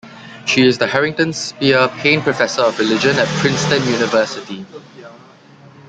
She is the Harrington Spear Paine Professor of Religion at Princeton University.